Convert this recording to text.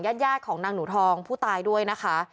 ญาติของนางหนูทองผู้ตายด้วยนะคะ